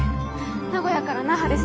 名古屋から那覇です。